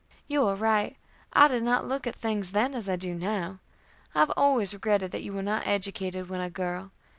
"You are right. I did not look at things then as I do now. I have always regretted that you were not educated when a girl.